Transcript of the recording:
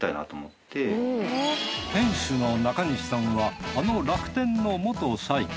店主の中西さんはあの楽天の元社員。